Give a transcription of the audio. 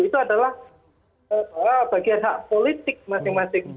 itu adalah bagian hak politik masing masing